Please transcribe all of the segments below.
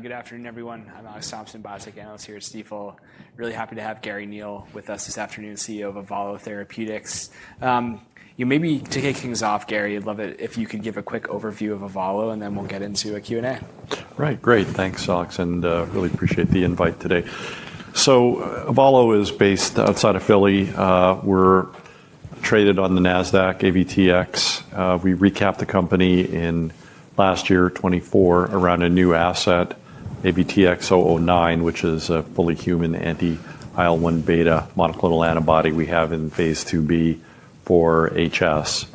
Good afternoon, everyone. I'm Alex Thompson, Biotech Analyst here at CTFO. Really happy to have Garry Neil with us this afternoon, CEO of Avalo Therapeutics. You know, maybe to kick things off, Garry, I'd love it if you could give a quick overview of Avalo, and then we'll get into a Q&A. Right. Great. Thanks, Alex. I really appreciate the invite today. Avalo is based outside of Philly. We're traded on the NASDAQ, AVTX. We recapped the company last year, 2024, around a new asset, AVTX-009, which is a fully human anti-IL-1β monoclonal antibody we have in phase 2b for HS.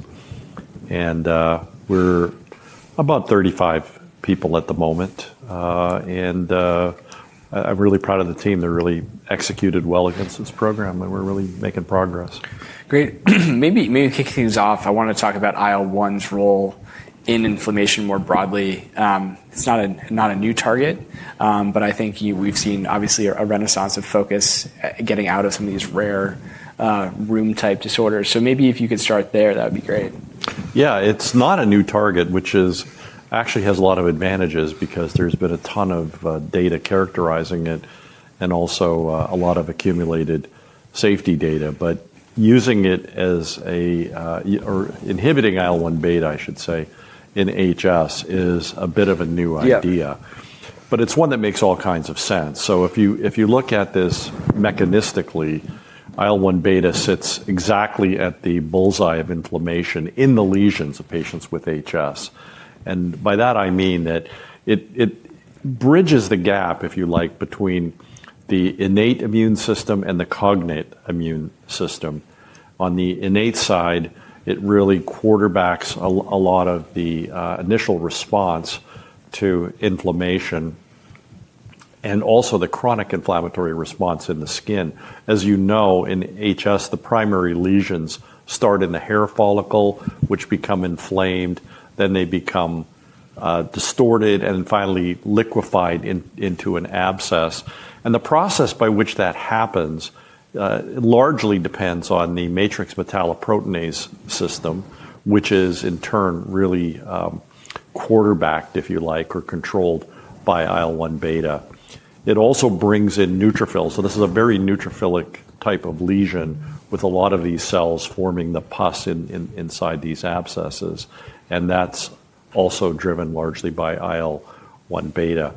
We're about 35 people at the moment. I'm really proud of the team. They really executed well against this program, and we're really making progress. Great. Maybe, maybe to kick things off, I want to talk about IL-1's role in inflammation more broadly. It's not a, not a new target, but I think you, we've seen obviously a renaissance of focus getting out of some of these rare, rheum-type disorders. Maybe if you could start there, that would be great. Yeah. It's not a new target, which actually has a lot of advantages because there's been a ton of data characterizing it and also a lot of accumulated safety data. Using it as a, or inhibiting IL-1β, I should say, in HS is a bit of a new idea. Yeah. But it's one that makes all kinds of sense. If you look at this mechanistically, IL-1β sits exactly at the bullseye of inflammation in the lesions of patients with HS. By that, I mean that it bridges the gap, if you like, between the innate immune system and the cognate immune system. On the innate side, it really quarterbacks a lot of the initial response to inflammation and also the chronic inflammatory response in the skin. As you know, in HS, the primary lesions start in the hair follicle, which become inflamed, then they become distorted, and then finally liquefied into an abscess. The process by which that happens largely depends on the matrix metalloproteinase system, which is in turn really quarterbacked, if you like, or controlled by IL-1β. It also brings in neutrophils. This is a very neutrophilic type of lesion with a lot of these cells forming the pus inside these abscesses. That is also driven largely by IL-1β.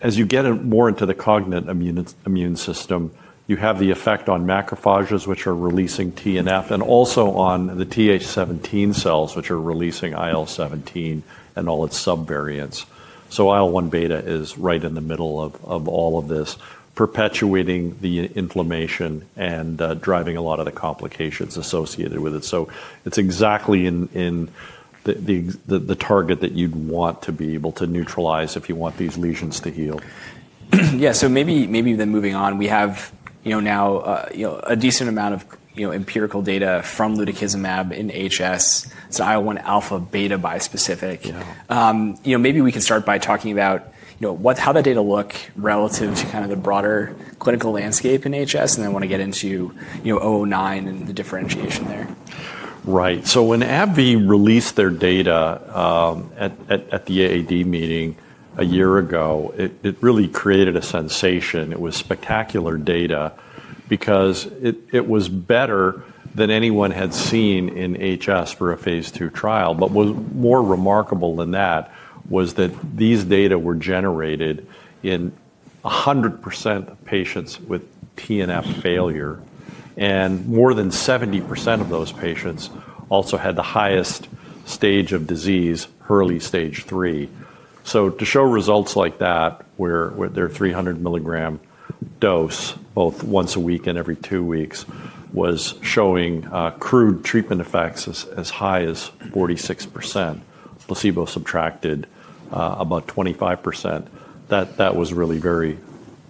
As you get more into the cognate immune system, you have the effect on macrophages, which are releasing TNF, and also on the TH17 cells, which are releasing IL-17 and all its subvariants. IL-1β is right in the middle of all of this, perpetuating the inflammation and driving a lot of the complications associated with it. It is exactly the target that you'd want to be able to neutralize if you want these lesions to heal. Yeah. So maybe, maybe then moving on, we have, you know, now, you know, a decent amount of, you know, empirical data from Lutikizumab in HS. It's IL-1 alpha beta bispecific. Yeah. You know, maybe we can start by talking about, you know, what, how that data look relative to kind of the broader clinical landscape in HS, and then I want to get into, you know, 009 and the differentiation there. Right. When AbbVie released their data at the AAD meeting a year ago, it really created a sensation. It was spectacular data because it was better than anyone had seen in HS for a phase 2 trial. What was more remarkable than that was that these data were generated in 100% of patients with TNF failure, and more than 70% of those patients also had the highest stage of disease, early stage 3. To show results like that, where their 300 milligram dose, both once a week and every two weeks, was showing crude treatment effects as high as 46%, placebo-subtracted, about 25%. That was really very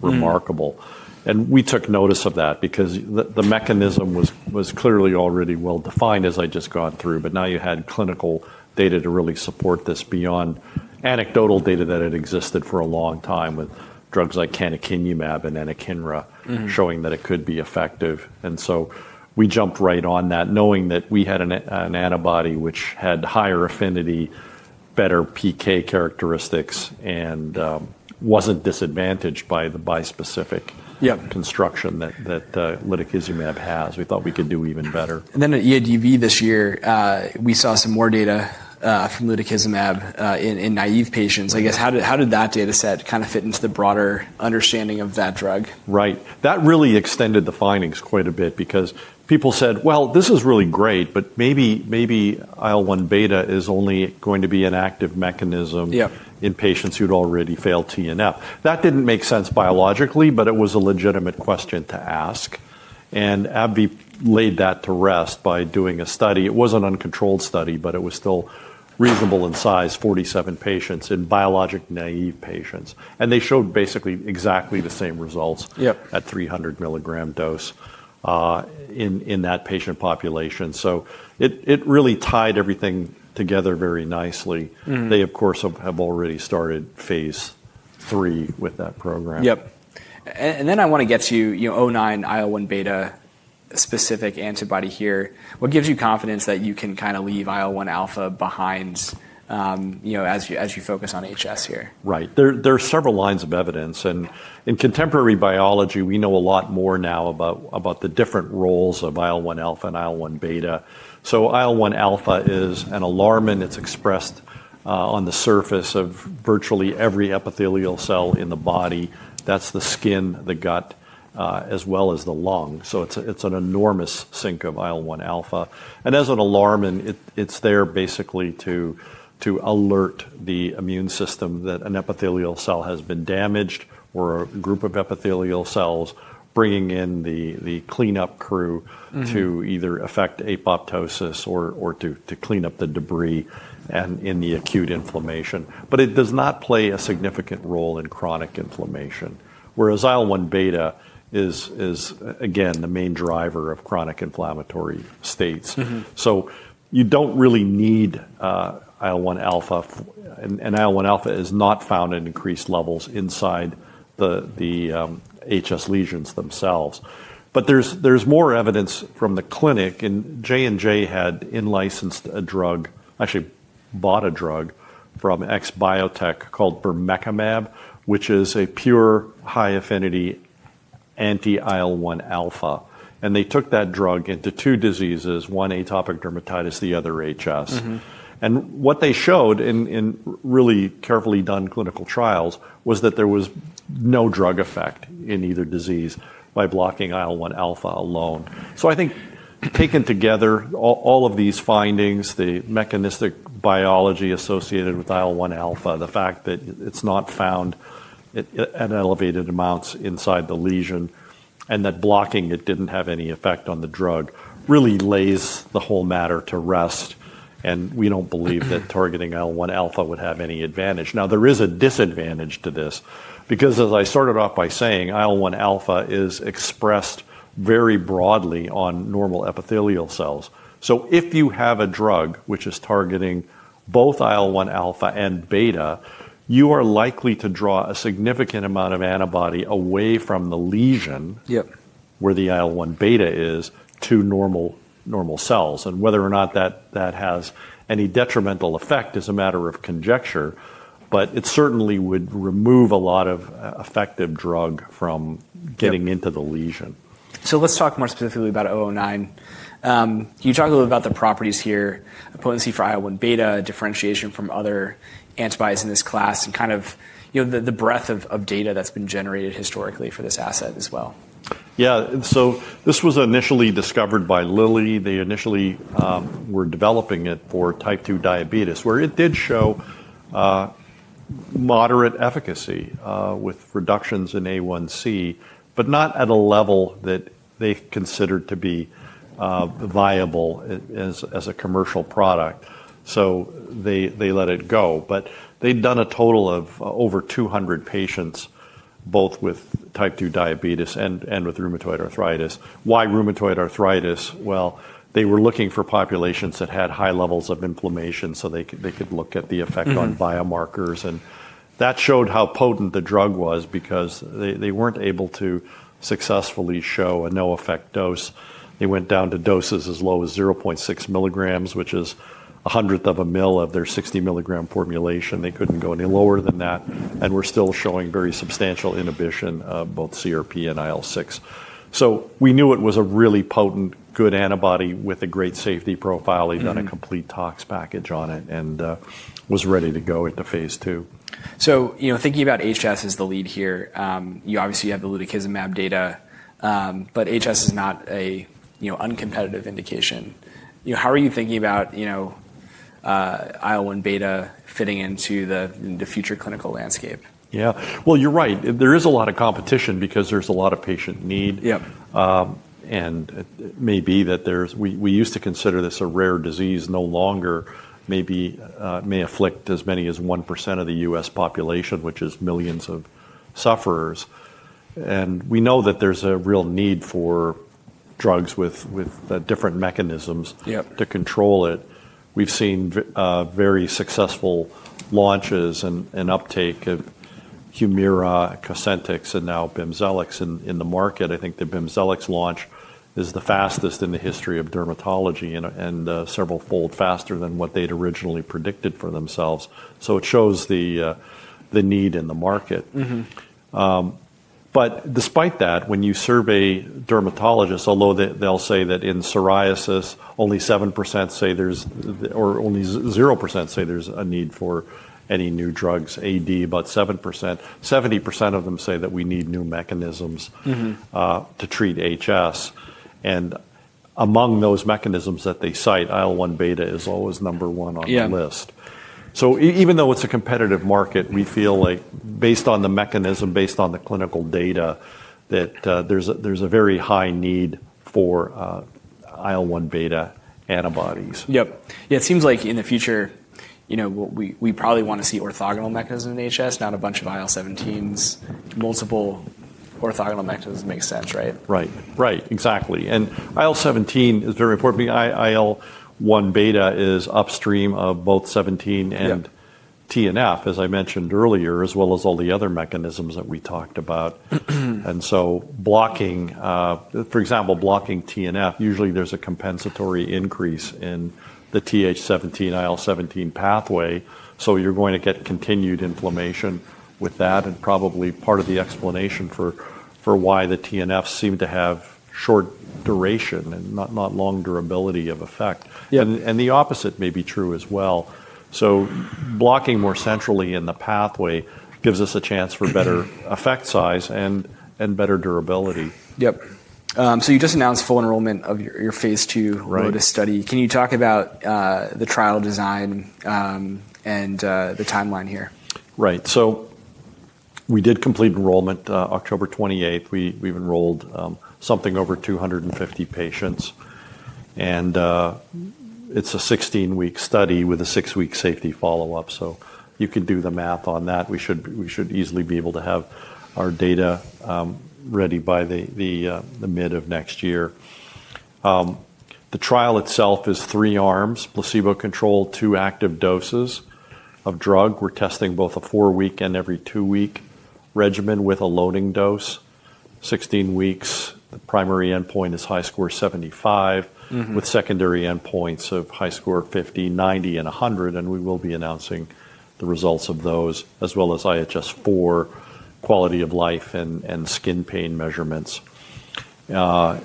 remarkable. We took notice of that because the mechanism was clearly already well defined, as I just gone through, but now you had clinical data to really support this beyond anecdotal data that had existed for a long time with drugs like Canakinumab and Anakinra showing that it could be effective. We jumped right on that, knowing that we had an antibody which had higher affinity, better PK characteristics, and was not disadvantaged by the bispecific. Yeah. Construction that Lutikizumab has. We thought we could do even better. At EADV this year, we saw some more data from Lutikizumab in naive patients. I guess how did that data set kind of fit into the broader understanding of that drug? Right. That really extended the findings quite a bit because people said, "Well, this is really great, but maybe, maybe IL-1β is only going to be an active mechanism. Yeah. In patients who'd already failed TNF. That didn't make sense biologically, but it was a legitimate question to ask. AbbVie laid that to rest by doing a study. It was an uncontrolled study, but it was still reasonable in size, 47 patients in biologic-naive patients. They showed basically exactly the same results. Yep. At 300 milligram dose, in that patient population. It really tied everything together very nicely. Mm-hmm. They, of course, have already started phase 3 with that program. Yep. And then I want to get to, you know, 009 IL-1 beta specific antibody here. What gives you confidence that you can kind of leave IL-1 alpha behind, you know, as you focus on HS here? Right. There are several lines of evidence. In contemporary biology, we know a lot more now about the different roles of IL-1 alpha and IL-1 beta. IL-1 alpha is an alarm and it's expressed on the surface of virtually every epithelial cell in the body. That's the skin, the gut, as well as the lungs. It's an enormous sink of IL-1 alpha. As an alarm, it's there basically to alert the immune system that an epithelial cell has been damaged or a group of epithelial cells, bringing in the cleanup crew. Mm-hmm. To either affect apoptosis or to clean up the debris in the acute inflammation. It does not play a significant role in chronic inflammation, whereas IL-1β is, again, the main driver of chronic inflammatory states. Mm-hmm. You don't really need IL-1α, and IL-1α is not found at increased levels inside the HS lesions themselves. There's more evidence from the clinic, and Johnson & Johnson had in-licensed a drug, actually bought a drug from XBiotech called Bermekimab, which is a pure high-affinity anti-IL-1α. They took that drug into two diseases, one atopic dermatitis, the other HS. Mm-hmm. What they showed in really carefully done clinical trials was that there was no drug effect in either disease by blocking IL-1 alpha alone. I think taken together, all of these findings, the mechanistic biology associated with IL-1 alpha, the fact that it's not found at elevated amounts inside the lesion, and that blocking it didn't have any effect on the drug really lays the whole matter to rest. We don't believe that targeting IL-1 alpha would have any advantage. Now, there is a disadvantage to this because, as I started off by saying, IL-1 alpha is expressed very broadly on normal epithelial cells. If you have a drug which is targeting both IL-1 alpha and beta, you are likely to draw a significant amount of antibody away from the lesion. Yep. Where the IL-1β is to normal, normal cells. Whether or not that has any detrimental effect is a matter of conjecture, but it certainly would remove a lot of effective drug from getting into the lesion. Let's talk more specifically about 009. You talked a little about the properties here, potency for IL-1β, differentiation from other antibodies in this class, and kind of, you know, the breadth of data that's been generated historically for this asset as well. Yeah. This was initially discovered by Lilly. They initially were developing it for type 2 diabetes, where it did show moderate efficacy, with reductions in A1C, but not at a level that they considered to be viable as a commercial product. They let it go. They had done a total of over 200 patients, both with type 2 diabetes and with rheumatoid arthritis. Why rheumatoid arthritis? They were looking for populations that had high levels of inflammation so they could look at the effect on biomarkers. That showed how potent the drug was because they were not able to successfully show a no-effect dose. They went down to doses as low as 0.6 milligrams, which is a hundredth of a milliliter of their 60 milligram formulation. They could not go any lower than that. We're still showing very substantial inhibition of both CRP and IL-6. We knew it was a really potent, good antibody with a great safety profile. They've done a complete tox package on it and it was ready to go into phase 2. You know, thinking about HS as the lead here, you obviously have the Lutikizumab data, but HS is not a, you know, uncompetitive indication. You know, how are you thinking about, you know, IL-1β fitting into the, the future clinical landscape? Yeah. You're right. There is a lot of competition because there's a lot of patient need. Yep. It may be that we used to consider this a rare disease, no longer maybe, may afflict as many as 1% of the U.S. population, which is millions of sufferers. We know that there's a real need for drugs with different mechanisms. Yep. To control it. We've seen very successful launches and uptake of Humira, Cosentyx, and now Bimzelx in the market. I think the Bimzelx launch is the fastest in the history of dermatology and several fold faster than what they'd originally predicted for themselves. It shows the need in the market. Mm-hmm. Despite that, when you survey dermatologists, although they, they'll say that in psoriasis, only 0% say there's a need for any new drugs, atopic dermatitis, about 7%. 70% of them say that we need new mechanisms. Mm-hmm. to treat HS. Among those mechanisms that they cite, IL-1β is always number one on the list. Yeah. Even though it's a competitive market, we feel like based on the mechanism, based on the clinical data, that there's a very high need for IL-1β antibodies. Yep. Yeah. It seems like in the future, you know, we probably want to see orthogonal mechanism in HS, not a bunch of IL-17s. Multiple orthogonal mechanisms make sense, right? Right. Right. Exactly. IL-17 is very important. IL-1β is upstream of both 17 and. Yep. TNF, as I mentioned earlier, as well as all the other mechanisms that we talked about. Mm-hmm. Blocking, for example, blocking TNF, usually there is a compensatory increase in the TH17, IL-17 pathway. You are going to get continued inflammation with that, and probably part of the explanation for why the TNFs seem to have short duration and not long durability of effect. Yeah. The opposite may be true as well. Blocking more centrally in the pathway gives us a chance for better effect size and better durability. Yep. So you just announced full enrollment of your, your phase 2. Right. Lotus study. Can you talk about the trial design, and the timeline here? Right. We did complete enrollment October 28th. We've enrolled something over 250 patients. It's a 16-week study with a 6-week safety follow-up. You could do the math on that. We should easily be able to have our data ready by the mid of next year. The trial itself is three arms: placebo-controlled, two active doses of drug. We're testing both a four-week and every two-week regimen with a loading dose. Sixteen weeks, the primary endpoint is HiSCR75. Mm-hmm. With secondary endpoints of HiSCR50, 90, and 100. We will be announcing the results of those, as well as IHS4, quality of life, and skin pain measurements. The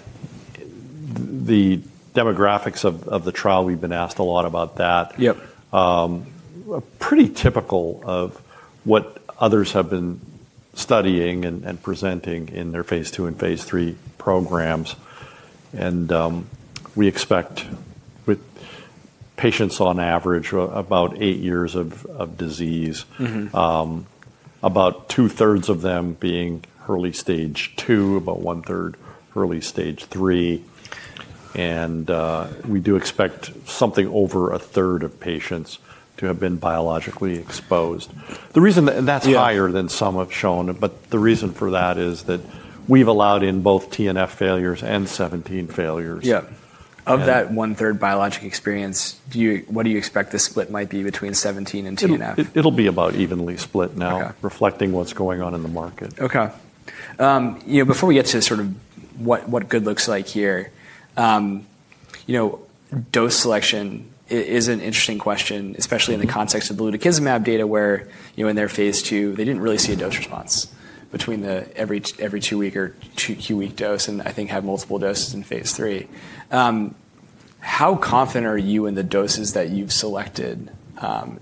demographics of the trial, we've been asked a lot about that. Yep. Pretty typical of what others have been studying and presenting in their phase 2 and phase 3 programs. We expect with patients on average about eight years of disease. Mm-hmm. About two-thirds of them being early stage 2, about one-third early stage 3. We do expect something over a third of patients to have been biologic exposed. The reason that, and that's higher than some have shown, but the reason for that is that we've allowed in both TNF failures and 17 failures. Yeah. Of that one-third biologic experience, do you, what do you expect the split might be between 17 and TNF? It'll be about evenly split now. Okay. Reflecting what's going on in the market. Okay. You know, before we get to sort of what good looks like here, you know, dose selection is an interesting question, especially in the context of the Lutikizumab data where, you know, in their phase 2, they didn't really see a dose response between the every two-week or two-week dose and I think had multiple doses in phase 3. How confident are you in the doses that you've selected,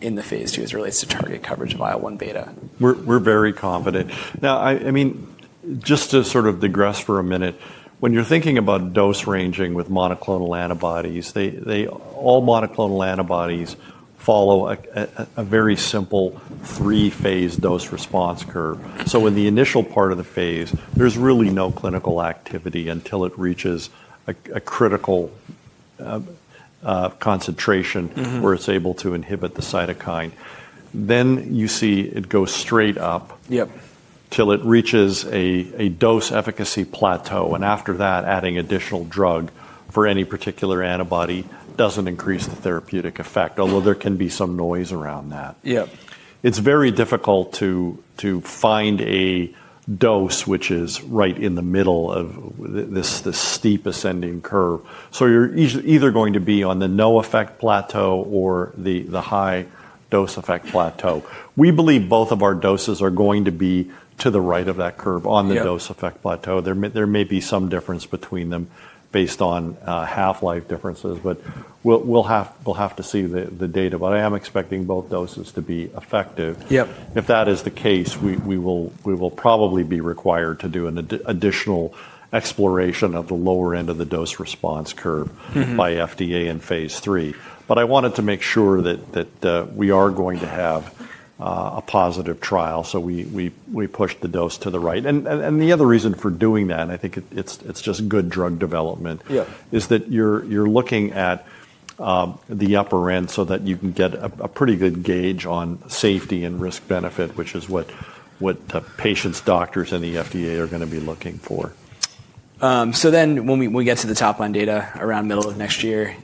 in the phase 2 as it relates to target coverage of IL-1β? We're very confident. Now, I mean, just to sort of digress for a minute, when you're thinking about dose ranging with monoclonal antibodies, they all monoclonal antibodies follow a very simple three-phase dose response curve. Mm-hmm. In the initial part of the phase, there's really no clinical activity until it reaches a critical concentration. Mm-hmm. Where it's able to inhibit the cytokine. You see it go straight up. Yep. Till it reaches a dose efficacy plateau. After that, adding additional drug for any particular antibody doesn't increase the therapeutic effect, although there can be some noise around that. Yep. It's very difficult to find a dose which is right in the middle of this steep ascending curve. So you're either going to be on the no-effect plateau or the high dose effect plateau. We believe both of our doses are going to be to the right of that curve on the dose effect plateau. There may be some difference between them based on half-life differences, but we'll have to see the data. I am expecting both doses to be effective. Yep. If that is the case, we will probably be required to do an additional exploration of the lower end of the dose response curve. Mm-hmm. By FDA in phase 3. I wanted to make sure that we are going to have a positive trial. We pushed the dose to the right. The other reason for doing that, and I think it's just good drug development. Yep. Is that you're looking at the upper end so that you can get a pretty good gauge on safety and risk-benefit, which is what patients, doctors, and the FDA are gonna be looking for. So then when we get to the top line data around middle of next year,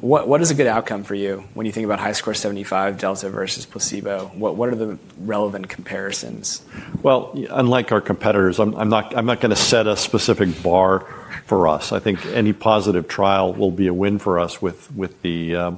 what is a good outcome for you when you think about HiSCR75 delta versus placebo? What are the relevant comparisons? Unlike our competitors, I'm not, I'm not gonna set a specific bar for us. I think any positive trial will be a win for us with the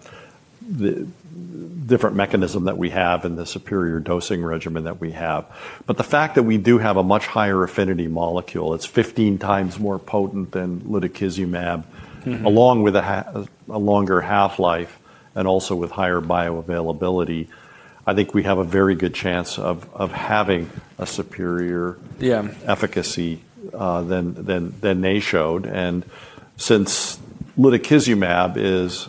different mechanism that we have and the superior dosing regimen that we have. The fact that we do have a much higher affinity molecule, it's 15 times more potent than Lutikizumab. Mm-hmm. Along with a longer half-life and also with higher bioavailability, I think we have a very good chance of having a superior. Yeah. Efficacy, than they showed. Since Lutikizumab is,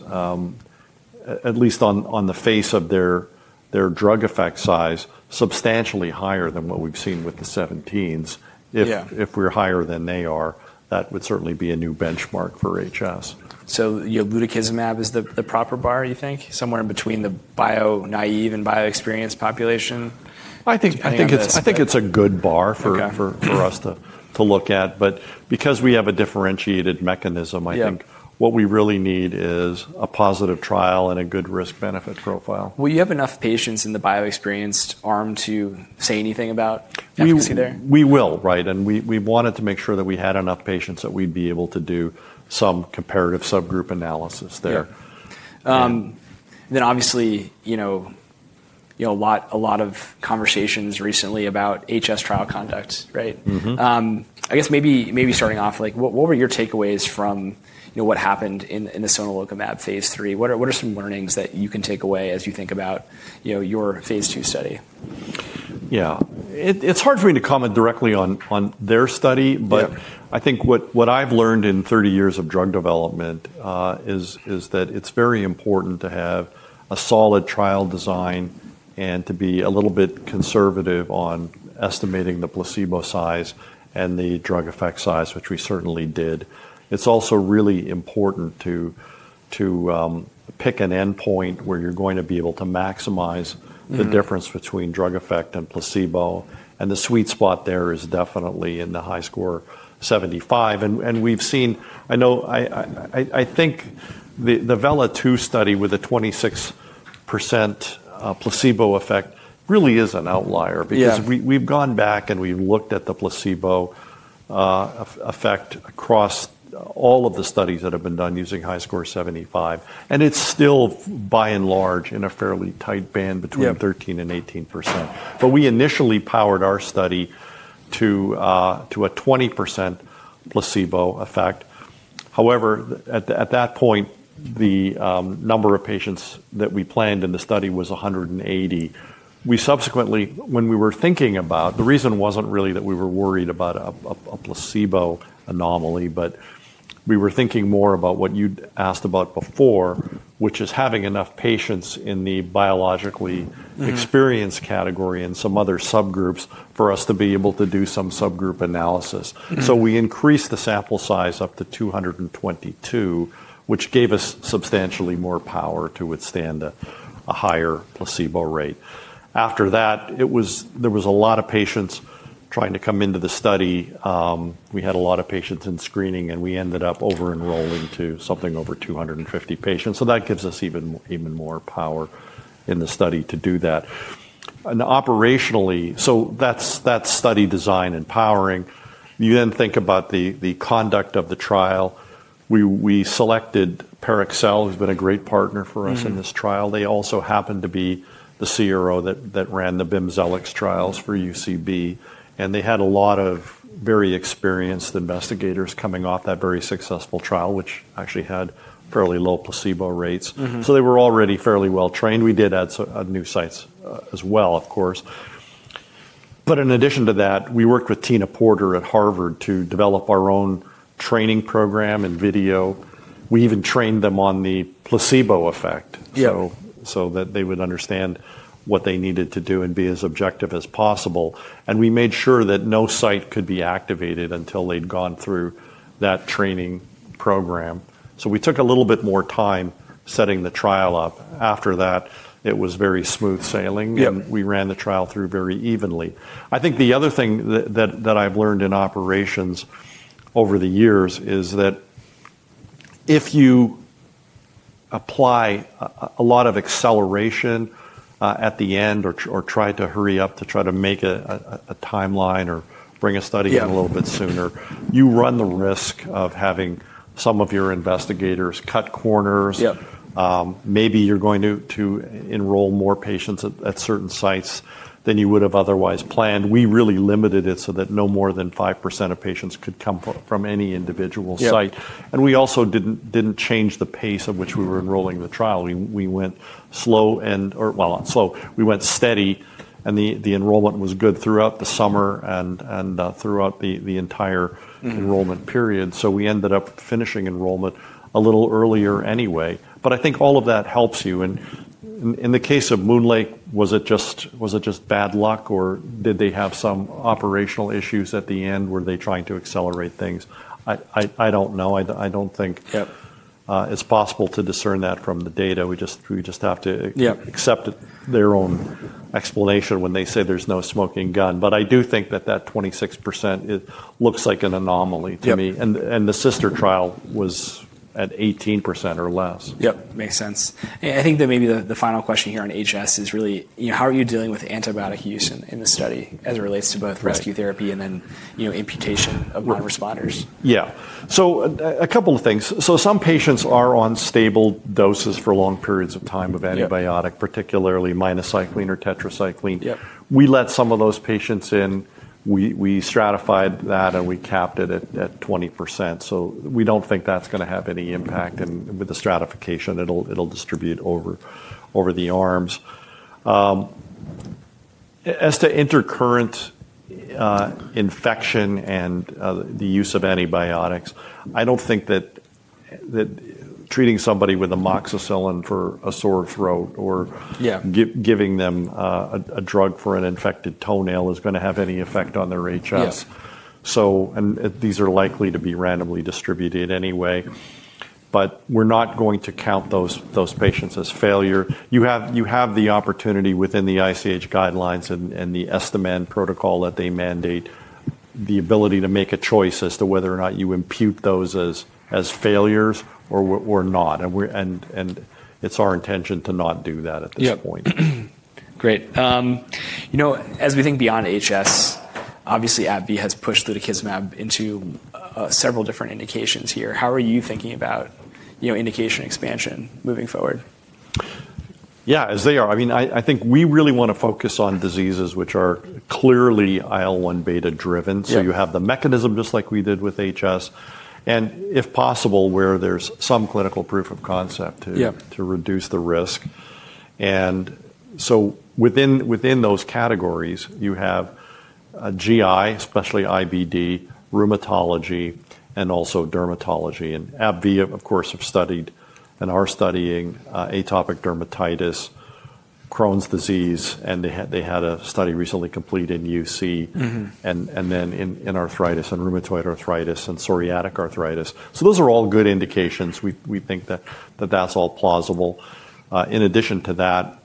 at least on the face of their drug effect size, substantially higher than what we've seen with the 17s. Yeah. If we're higher than they are, that would certainly be a new benchmark for HS. So your Lutikizumab is the, the proper bar, you think, somewhere in between the bio-naive and bio-experienced population? I think it's a good bar for. Okay. For us to look at. Because we have a differentiated mechanism, I think. Yeah. What we really need is a positive trial and a good risk-benefit profile. Will you have enough patients in the bio-experienced arm to say anything about efficacy there? We will, right? And we wanted to make sure that we had enough patients that we'd be able to do some comparative subgroup analysis there. Yeah, then obviously, you know, a lot of conversations recently about HS trial conduct, right? Mm-hmm. I guess maybe, maybe starting off, like, what were your takeaways from, you know, what happened in the Sonelokimab phase 3? What are some learnings that you can take away as you think about, you know, your phase 2 study? Yeah. It's hard for me to comment directly on their study, but. Yep. I think what I've learned in 30 years of drug development is that it's very important to have a solid trial design and to be a little bit conservative on estimating the placebo size and the drug effect size, which we certainly did. It's also really important to pick an endpoint where you're going to be able to maximize. Mm-hmm. The difference between drug effect and placebo. The sweet spot there is definitely in the HiSCR75. We've seen, I know, I think the Vela 2 study with a 26% placebo effect really is an outlier. Yes. Because we've gone back and we've looked at the placebo effect across all of the studies that have been done using HiSCR75. And it's still by and large in a fairly tight band between. Yep. 13% and 18%. We initially powered our study to a 20% placebo effect. However, at that point, the number of patients that we planned in the study was 180. We subsequently, when we were thinking about, the reason wasn't really that we were worried about a placebo anomaly, but we were thinking more about what you'd asked about before, which is having enough patients in the biologically. Mm-hmm. Experienced category and some other subgroups for us to be able to do some subgroup analysis. Mm-hmm. We increased the sample size up to 222, which gave us substantially more power to withstand a higher placebo rate. After that, there was a lot of patients trying to come into the study. We had a lot of patients in screening, and we ended up over-enrolling to something over 250 patients. That gives us even more power in the study to do that. Operationally, that's study design and powering. You then think about the conduct of the trial. We selected Parexel, who's been a great partner for us. Mm-hmm. In this trial. They also happened to be the CRO that ran the Bimzelx trials for UCB. They had a lot of very experienced investigators coming off that very successful trial, which actually had fairly low placebo rates. Mm-hmm. They were already fairly well trained. We did add some new sites, as well, of course. In addition to that, we worked with Tina Porter at Harvard to develop our own training program and video. We even trained them on the placebo effect. Yep. So that they would understand what they needed to do and be as objective as possible. We made sure that no site could be activated until they'd gone through that training program. We took a little bit more time setting the trial up. After that, it was very smooth sailing. Yep. We ran the trial through very evenly. I think the other thing that I've learned in operations over the years is that if you apply a lot of acceleration at the end or try to hurry up to try to make a timeline or bring a study. Yep. In a little bit sooner, you run the risk of having some of your investigators cut corners. Yep. Maybe you're going to enroll more patients at certain sites than you would have otherwise planned. We really limited it so that no more than 5% of patients could come from any individual site. Yep. We also did not change the pace at which we were enrolling the trial. We went steady, and the enrollment was good throughout the summer and throughout the entire. Mm-hmm. Enrollment period. We ended up finishing enrollment a little earlier anyway. I think all of that helps you. In the case of MoonLake, was it just bad luck or did they have some operational issues at the end? Were they trying to accelerate things? I do not know. I do not think. Yep. It's possible to discern that from the data. We just have to. Yep. Accept their own explanation when they say there's no smoking gun. I do think that that 26% looks like an anomaly to me. Yep. The sister trial was at 18% or less. Yep. Makes sense. I think that maybe the final question here on HS is really, you know, how are you dealing with antibiotic use in the study as it relates to both rescue therapy and then, you know, imputation of non-responders? Yeah. A couple of things. Some patients are on stable doses for long periods of time of antibiotic. Mm-hmm. Particularly minocycline or tetracycline. Yep. We let some of those patients in. We stratified that and we capped it at 20%. We don't think that's gonna have any impact, with the stratification, it'll distribute over the arms. As to intercurrent infection and the use of antibiotics, I don't think that treating somebody with amoxicillin for a sore throat or. Yeah. Giving them a drug for an infected toenail is gonna have any effect on their HS. Yep. These are likely to be randomly distributed anyway. We're not going to count those patients as failure. You have the opportunity within the ICH guidelines and the ESTAMAN protocol that they mandate the ability to make a choice as to whether or not you impute those as failures or not. It's our intention to not do that at this point. Yep. Great. You know, as we think beyond HS, obviously AbbVie has pushed Lutikizumab into several different indications here. How are you thinking about, you know, indication expansion moving forward? Yeah, as they are. I mean, I think we really wanna focus on diseases which are clearly IL-1β driven. Yep. You have the mechanism just like we did with HS and if possible where there's some clinical proof of concept too. Yep. To reduce the risk. Within those categories, you have GI, especially IBD, rheumatology, and also dermatology. AbbVie, of course, have studied and are studying atopic dermatitis, Crohn's disease, and they had a study recently complete in UC. Mm-hmm. In arthritis and rheumatoid arthritis and psoriatic arthritis, those are all good indications. We think that that is all plausible. In addition to that,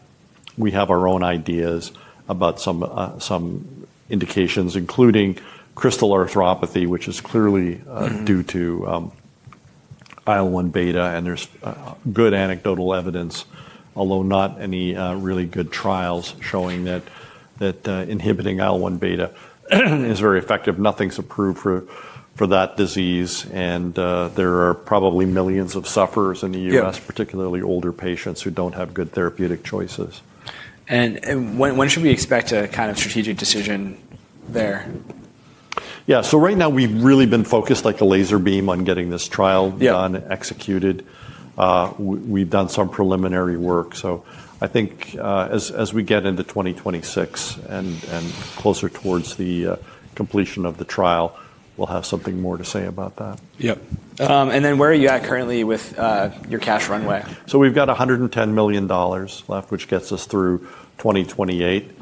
we have our own ideas about some indications, including crystal arthropathy, which is clearly due to IL-1β. There is good anecdotal evidence, although not any really good trials showing that inhibiting IL-1β is very effective. Nothing is approved for that disease, and there are probably millions of sufferers in the U.S. Yep. Particularly older patients who do not have good therapeutic choices. When should we expect a kind of strategic decision there? Yeah. Right now we've really been focused like a laser beam on getting this trial. Yep. Done and executed. We've done some preliminary work. I think, as we get into 2026 and closer towards the completion of the trial, we'll have something more to say about that. Yep. And then where are you at currently with your cash runway? We've got $110 million left, which gets us through 2028.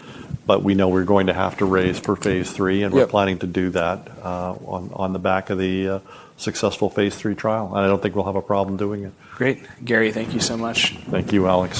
But we know we're going to have to raise for phase 3. Yep. We're planning to do that, on the back of the successful phase 3 trial. I don't think we'll have a problem doing it. Great. Garry, thank you so much. Thank you, Alex.